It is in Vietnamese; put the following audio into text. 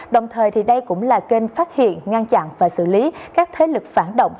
đồng thời thì đây cũng là kênh phát hiện ngăn chặn và xử lý các thế lực phản động